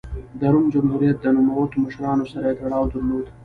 د روم جمهوریت د نوموتو مشرانو سره یې تړاو درلود